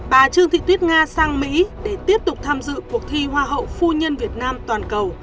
bà trương thị tuyết nga sang mỹ để tiếp tục tham dự cuộc thi hoa hậu phu nhân việt nam toàn cầu